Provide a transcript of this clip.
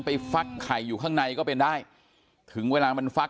ฟักไข่อยู่ข้างในก็เป็นได้ถึงเวลามันฟัก